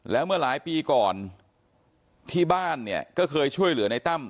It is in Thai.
แล้วเมื่อหลายปีก่อนที่บ้านเนี่ยก็เคยช่วยเหลือในตั้ม